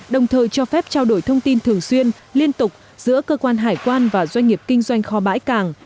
đồng thời cho phép trao đổi thông tin thường xuyên liên tục giữa cơ quan hải quan và doanh nghiệp kinh doanh kho bãi cảng